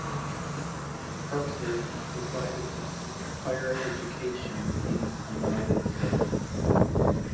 Purcell decided to seek higher education in the United States.